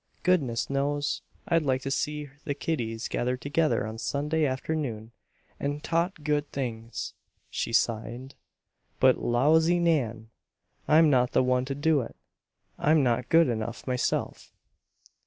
"Goodness knows, I'd like to see the kiddies gathered together on Sunday afternoon and taught good things," she signed; "but lawsy, Nan! I'm not the one to do it. I'm not good enough myself."